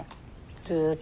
ずっと。